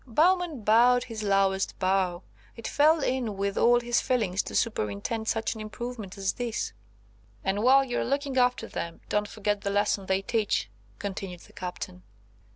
Bowman bowed his lowest bow. It fell in with all his feelings to superintend such an improvement as this. "And while you're looking after them, don't forget the lesson they teach," continued the Captain.